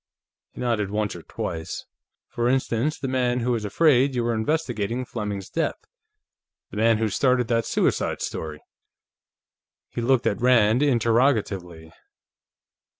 He nodded once or twice. "For instance, the man who was afraid you were investigating Fleming's death; the man who started that suicide story!" He looked at Rand interrogatively.